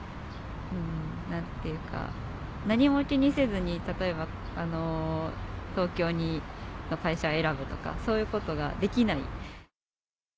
何ていうか何も気にせずに例えば東京の会社を選ぶとかそういうことができない。